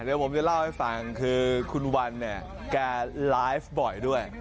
เดี๋ยวผมจะเล่าให้ฟังคือคุณวันเนี่ยแกไลฟ์บ่อยด้วย